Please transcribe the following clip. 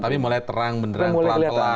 tapi mulai terang menerang telan telan